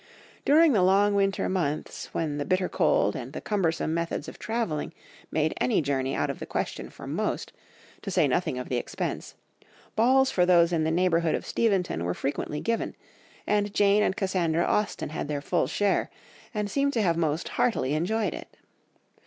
During the long winter months, when the bitter cold and the cumbersome methods of travelling made any journey out of the question for most, to say nothing of the expense, balls for those in the neighbourhood of Steventon were frequently given, and Jane and Cassandra Austen had their full share, and seem to have most heartily enjoyed it.